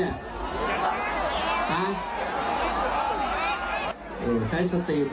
อาหว่ายดีนี่จันนอกดีมไหมเนี้ยฮะ